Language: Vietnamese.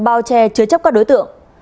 bao che chứa chấp các đối tượng